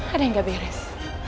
ada yang gak beres